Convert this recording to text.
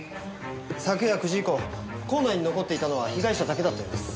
昨夜９時以降校内に残っていたのは被害者だけだったようです。